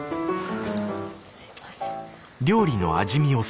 すいません。